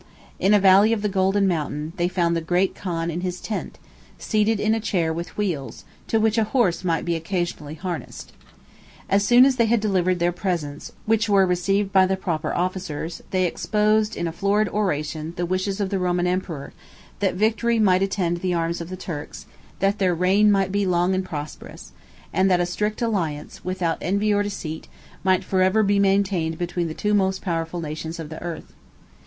In a valley of the Golden Mountain, they found the great khan in his tent, seated in a chair with wheels, to which a horse might be occasionally harnessed. As soon as they had delivered their presents, which were received by the proper officers, they exposed, in a florid oration, the wishes of the Roman emperor, that victory might attend the arms of the Turks, that their reign might be long and prosperous, and that a strict alliance, without envy or deceit, might forever be maintained between the two most powerful nations of the earth.